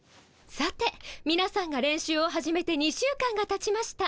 さてみなさんが練習を始めて２週間がたちました。